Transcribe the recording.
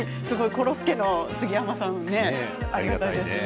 コロ助の杉山さんありがたいですね。